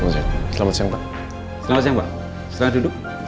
selamat siang pak silahkan duduk